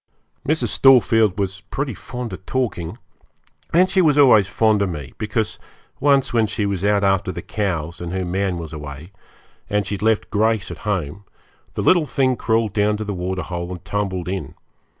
Mrs. Storefield was pretty fond of talking, and she was always fond of me, because once when she was out after the cows, and her man was away, and she had left Grace at home, the little thing crawled down to the waterhole and tumbled in.